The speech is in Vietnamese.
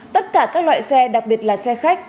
tất cả các loại xe đặc biệt là xe khách